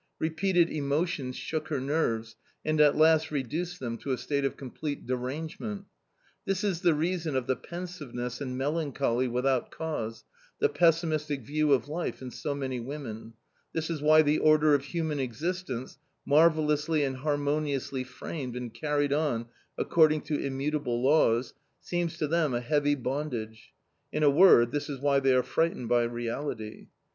Repeated emotions shook her nerves, and at last reduced them to a state of complete derangement. This is the reason of the pensiveness and melancholy without cause, the pessimistic view of life in so many women ; this is why the order of human existence, marvellously and harmoniously framed and carried on according to immutable laws, seems to them a heavy bond age ; in a word, this is why they are frightened by reality.